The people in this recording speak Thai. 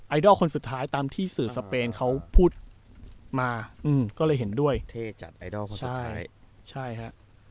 ดอลคนสุดท้ายตามที่สื่อสเปนเขาพูดมาก็เลยเห็นด้วยเทจัดไอดอลคนสุดท้ายใช่ฮะ